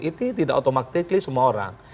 itu tidak otomatis semua orang